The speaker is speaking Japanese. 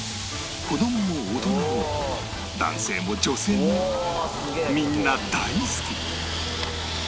子供も大人も男性も女性もみんな大好き